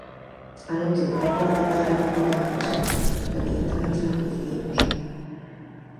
Anuncio que non vou aceptar a emenda que me presentan, porque evidentemente non coincidimos.